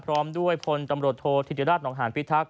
พร้อมด้วยพลตำรวจโทษธิติราชนองหานพิทักษ